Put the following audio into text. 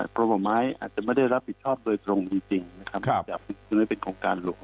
กรมป่าไม้อาจจะไม่ได้รับผิดชอบโดยตรงจริงนะครับจะไม่เป็นโครงการหลง